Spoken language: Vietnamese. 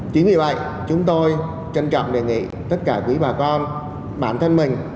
chính vì vậy chúng tôi trân trọng đề nghị tất cả quý bà con bản thân mình